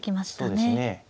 そうですね。